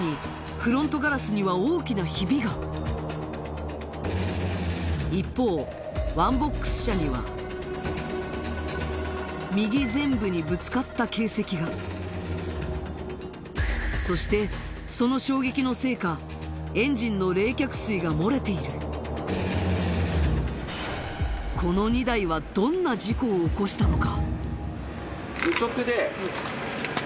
フロントガラスには大きなひびが一方ワンボックス車には右前部にぶつかった形跡がそしてその衝撃のせいかエンジンの冷却水が漏れているこの２台はどんな事故を起こしたのか？